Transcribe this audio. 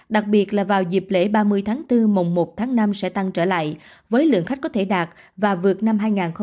đặc biệt là vào dịp lễ ba mươi tháng bốn mùng một tháng năm sẽ tăng trở lại với lượng khách có thể đạt và vượt năm hai nghìn hai mươi bốn